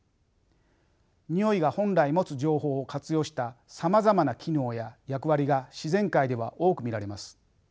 においが本来持つ情報を活用したさまざまな機能や役割が自然界では多く見られます。